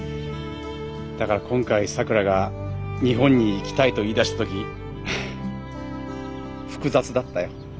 だから今回さくらが日本に行きたいと言いだした時複雑だったよ。